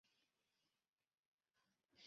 该商场由杨忠礼集团共构。